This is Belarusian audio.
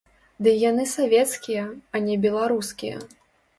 Дый яны савецкія, а не беларускія.